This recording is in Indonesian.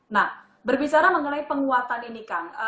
nah berbicara mengenai penguatan ini kang